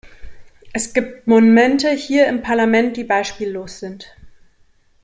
Es gibt Momente hier im Parlament, die beispiellos sind.